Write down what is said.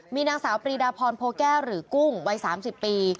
มีนางสาวปรีดาพรโพแก้วหรือกุ้งวัย๓๐ปี